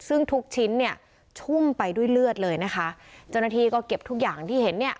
ซึ่งทุกชิ้นเนี่ยชุ่มไปด้วยเลือดเลยนะคะเจ้าหน้าที่ก็เก็บทุกอย่างที่เห็นเนี่ย